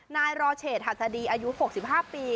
นายรอเฉตธาตุษฎีอายุ๖๕ปี